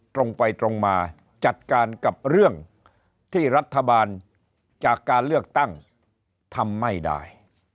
ตรงไปตรงมาจัดการกับเรื่องที่รัฐบาลจากการเลือกตั้งทำไม่ได้